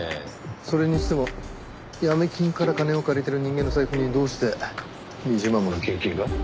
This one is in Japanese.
それにしてもヤミ金から金を借りてる人間の財布にどうして２０万もの現金が？